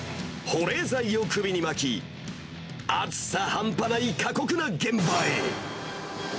保冷剤を首に巻き、暑さ半端ない過酷な現場へ。